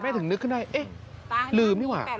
ถึงนึกขึ้นได้เอ๊ะลืมนี่ว่ะ